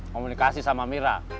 komunikasi sama mira